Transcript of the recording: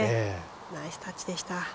ナイスタッチでした。